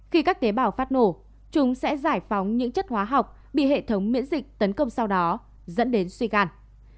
khi các tế bào phát nổ chúng sẽ giải phóng những chất hóa học bị hệ thống miễn dịch tấn công sau đó dẫn đến suy gan